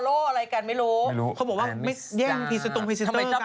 โอ้ตีอะไรดีไหม